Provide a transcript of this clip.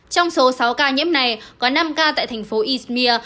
trong số sáu ca nhiễm này có năm ca tại thành phố ismir